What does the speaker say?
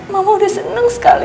mama udah seneng sekali